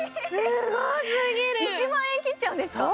１万円切っちゃうんですか？